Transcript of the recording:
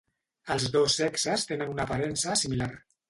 Els dos sexes tenen una aparença similar.